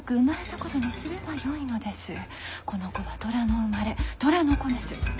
この子は寅の生まれ寅の子です。